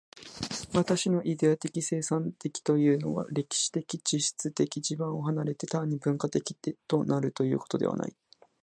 私のイデヤ的生産的というのは、歴史的物質的地盤を離れて、単に文化的となるということではない。